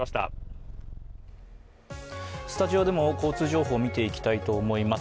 スタジオでも交通情報見ていきたいと思います。